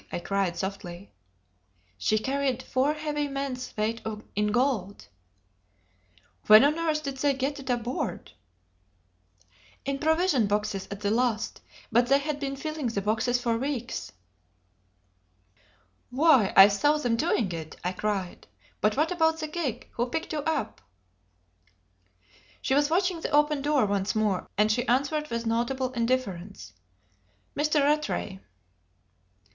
I cried softly. "She carried four heavy men's weight in gold." "When on earth did they get it aboard?" "In provision boxes at the last; but they had been filling the boxes for weeks." "Why, I saw them doing it!" I cried. "But what about the gig? Who picked you up?" She was watching that open door once more, and she answered with notable indifference, "Mr. Rattray."